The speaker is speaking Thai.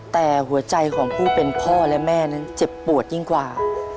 แต่หัวใจของผู้เป็นพ่อและแม่นั้นเจ็บปวดยิ่งกว่า